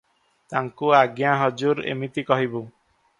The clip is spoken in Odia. ତାଙ୍କୁ, ଆଜ୍ଞା, ହଜୁର, ଏମିତି କହିବୁ ।